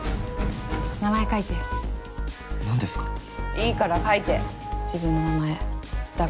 いいから書いて自分の名前二川